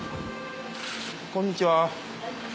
こんにちは。